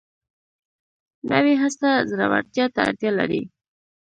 نوې هڅه زړورتیا ته اړتیا لري